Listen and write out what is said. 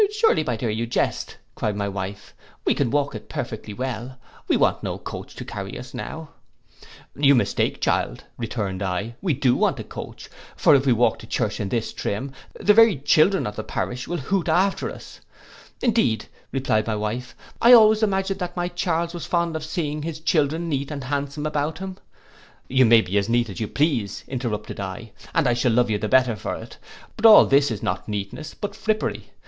—'Surely, my dear, you jest,' cried my wife, 'we can walk it perfectly well: we want no coach to carry us now.' 'You mistake, child,' returned I, 'we do want a coach; for if we walk to church in this trim, the very children in the parish will hoot after us.'—'Indeed,' replied my wife, 'I always imagined that my Charles was fond of seeing his children neat and handsome about him.'—'You may be as neat as you please,' interrupted I, 'and I shall love you the better for it, but all this is not neatness, but frippery.